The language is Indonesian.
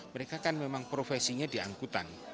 mereka kan memang profesinya di angkutan